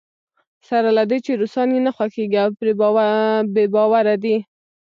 سره له دې چې روسان یې نه خوښېږي او پرې بې باوره دی.